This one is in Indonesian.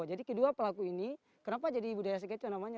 jadi kedua pelaku ini kenapa jadi budaya sakeco namanya